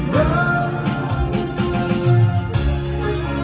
เดิม